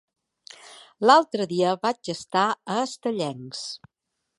L'altre dia vaig estar a Estellencs.